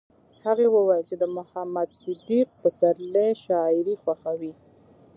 هغې وویل چې د محمد صدیق پسرلي شاعري خوښوي